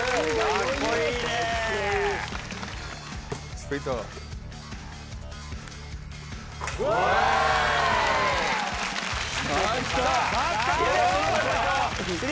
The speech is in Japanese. かっこいいねー。